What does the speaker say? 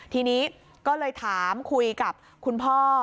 ทีนี้ก็เลยถามคุยกับคุณพ่อ